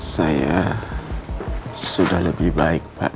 saya sudah lebih baik pak